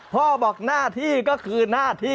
พ่อบอกน่าที่จะเป็น